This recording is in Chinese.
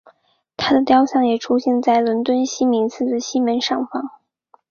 她的雕像也出现在伦敦西敏寺的西门上方。